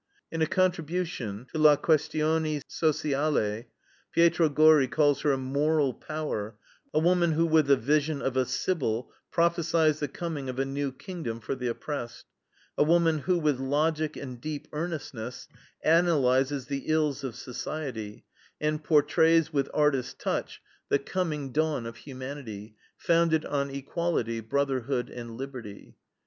In a contribution to LA QUESTIONE SOCIALE, Pietro Gori calls her a "moral power, a woman who, with the vision of a sibyl, prophesies the coming of a new kingdom for the oppressed; a woman who, with logic and deep earnestness, analyses the ills of society, and portrays, with artist touch, the coming dawn of humanity, founded on equality, brotherhood, and liberty."